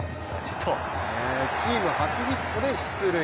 チーム初ヒットで出塁。